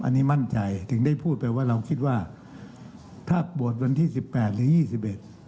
อันนี้มั่นใจถึงได้พูดไปว่าเราคิดว่าถ้าโหวตวันที่๑๘หรือ๒๑